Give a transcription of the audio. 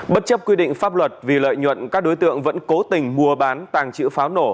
bất chấp quy định pháp luật vì lợi nhuận các đối tượng vẫn cố tình mua bán tàng trữ pháo nổ